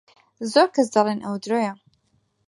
زۆر کەس دەڵێن ئەوە درۆیە.